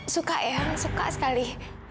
suka eang suka sekali